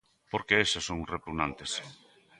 Porque eses son uns repugnantes.